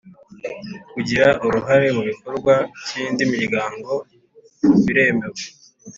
Kugira uruhare mu bikorwa by indi miryango biremewe